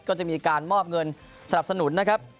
ก็จะมีการมอบเงินสนับสนุนนะครับ